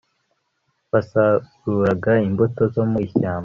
basaruraga imbuto zo mu ishyamba